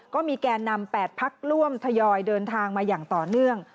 ก็มีแก่นำ๘พักร่วมทยอยเดินทางมาอย่างต่อเนื่อง